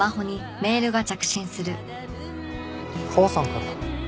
母さんからだ。